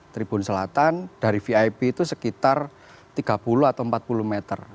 tribun selatan dari vip itu sekitar tiga puluh atau empat puluh meter